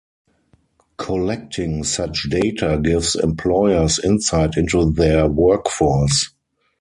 Collecting such data gives employers insight into their workforce.